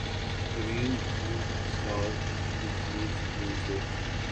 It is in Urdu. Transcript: ترین فلم ساز کمپنیز میں سے